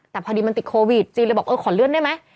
แต่พอดีมันติดโควิดจีนเลยบอกเออขอเลื่อนได้ไหม